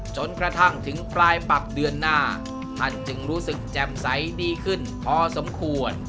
จนกระทั่งถึงปลายปักเดือนหน้าท่านจึงรู้สึกแจ่มใสดีขึ้นพอสมควร